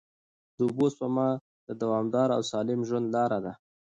د اوبو سپما د دوامدار او سالم ژوند لاره ده.